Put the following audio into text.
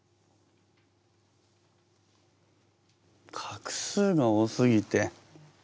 画数が多すぎて。